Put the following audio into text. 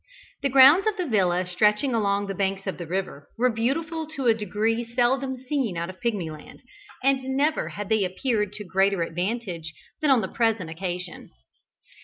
The grounds of the villa stretching along the banks of the river, were beautiful to a degree seldom seen out of Pigmyland, and never had they appeared to greater advantage than on the present occasion.